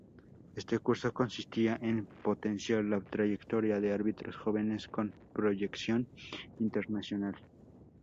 Este curso consistía en potenciar la trayectoria de árbitros jóvenes con proyección internacional.